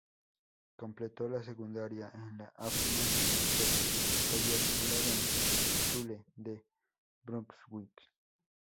Completó la secundaria en la "Hoffmann-von-Fallersleben-Schule" de Brunswick.